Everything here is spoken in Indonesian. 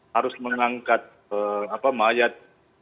harus mengangkat mayat